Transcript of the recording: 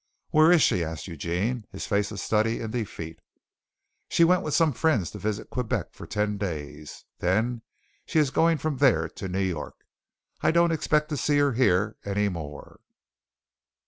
"Where is she?" asked Eugene, his face a study in defeat. "She went with some friends to visit Quebec for ten days. Then she is going from there to New York. I don't expect to see her here any more."